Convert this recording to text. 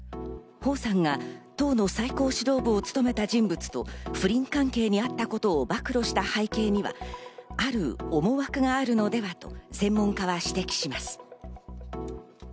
ホウさんが党の最高指導部を務めた人物と不倫関係にあったことを暴露した背景には、ある思惑があるのではと専門家は指摘します。